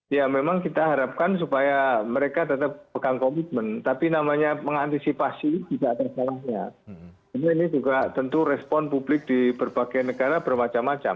ini juga tentu respon publik di berbagai negara bermacam macam